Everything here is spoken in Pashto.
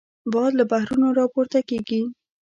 باد له بحرونو راپورته کېږي